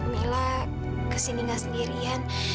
mila kesininah sendirian